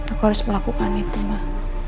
aku harus melakukan itu mbak